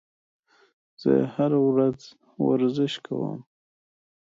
زه هره ورځ ورزش کوم